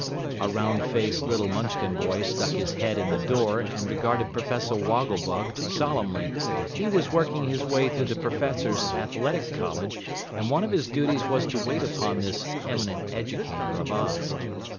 A round faced little Munchkin boy stuck his head in the door and regarded Professor Wogglebug solemnly. He was working his way through the Professor's Athletic college, and one of his duties was to wait upon this eminent educator of Oz.